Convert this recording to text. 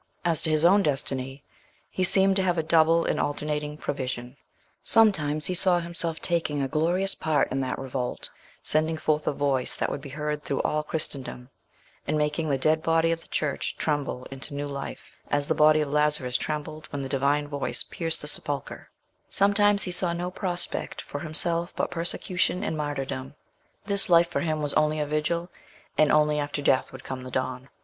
As to his own destiny, he seemed to have a double and alternating prevision: sometimes he saw himself taking a glorious part in that revolt, sending forth a voice that would be heard through all Christendom, and making the dead body of the Church tremble into new life, as the body of Lazarus trembled when the Divine voice pierced the sepulchre; sometimes he saw no prospect for himself but persecution and martyrdom:—this life for him was only a vigil, and only after death would come the dawn.